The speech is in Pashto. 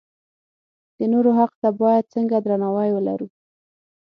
د نورو حق ته باید څنګه درناوی ولرو.